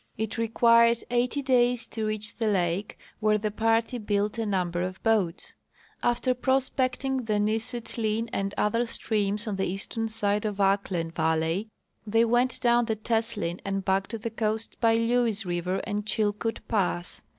It required eighty days to reach the lake, where the party built a number of boats. After prospecting the Nisutlin and other streams on the eastern side of Ahklen valley they went down the Teslin and back to the coast by Lewes river and CJiilkoot pass.